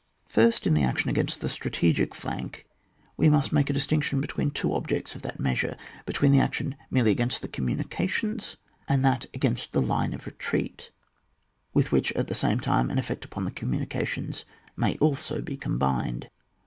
First, in the action against the strate gic flank, we must make a distinction between two objects of that measure — between the action merely against the communications, and that against the line of retreat, with which, at the same time, an effect upon the communications may also be combined.